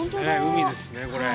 海ですねこれ。